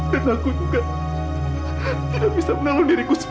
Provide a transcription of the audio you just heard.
dan aku juga tidak bisa menolong diriku sendiri